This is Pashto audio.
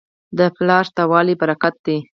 د پلار شته والی برکت دی.